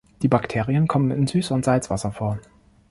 Die Bakterien kommen in Süß- und Salzwasser vor.